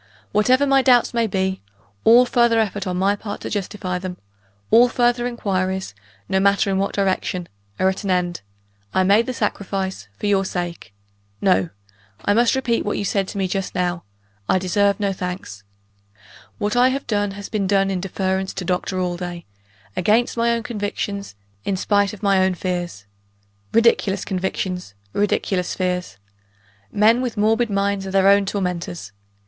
Whatever my doubts may be, all further effort on my part to justify them all further inquiries, no matter in what direction are at an end: I made the sacrifice, for your sake. No! I must repeat what you said to me just now; I deserve no thanks. What I have done, has been done in deference to Doctor Allday against my own convictions; in spite of my own fears. Ridiculous convictions! ridiculous fears! Men with morbid minds are their own tormentors.